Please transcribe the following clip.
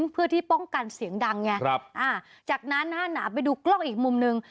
เพื่อที่ป้องกันเสียงดังเนี่ยอ่าจากนั้นน่าไปดูกล้องอีกมุมนึง